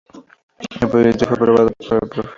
El proyecto fue aprobado por el Prof.